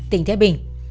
tỉnh thái bình